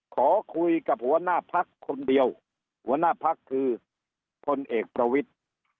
ขอคุยกับหัวหน้าพักคนเดียวหัวหน้าพักคือพลเอกประวิทธิ์